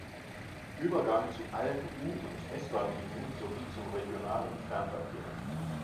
Übergang zu allen U- und S-Bahnlinien sowie zum Regional- und Fernverkehr.